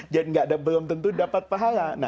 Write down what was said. jadi gak ada belum tentu dapat pahala